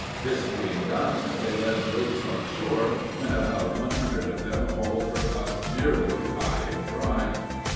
This being done, they led ropes on shore, when about one hundred of them hauled her up nearly high and dry.